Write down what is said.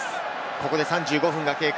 ここで３５分経過。